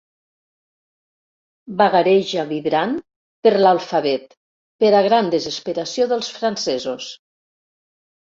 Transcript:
Vagareja, vibrant, per l'alfabet per a gran desesperació dels francesos.